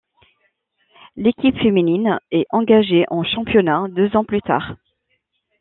L'équipe féminine est engagé en championnat deux ans plus tard.